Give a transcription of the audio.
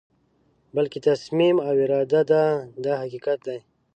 بلکې تصمیم او اراده ده دا حقیقت دی.